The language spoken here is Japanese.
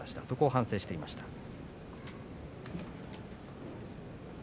そこを反省していました。